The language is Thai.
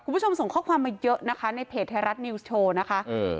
คุณผู้ชมส่งข้อความมาเยอะนะคะในเพจไทยรัฐนิวส์โชว์นะคะเออ